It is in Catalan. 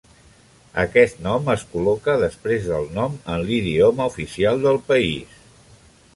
Aquest nom es col·loca després del nom en l'idioma oficial del país.